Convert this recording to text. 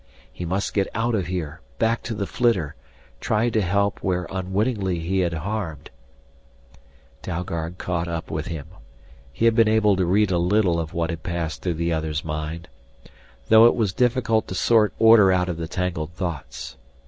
He must get out of here, back to the flitter, try to help where unwittingly he had harmed Dalgard caught up with him. He had been able to read a little of what had passed through the other's mind. Though it was difficult to sort order out of the tangled thoughts.